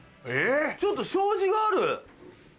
ちょっと障子がある！